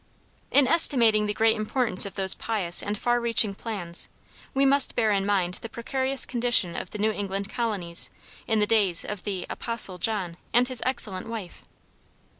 In estimating the great importance of those pious and far reaching plans, we must bear in mind the precarious condition of the New England Colonies in the days of the "Apostle" John and his excellent wife.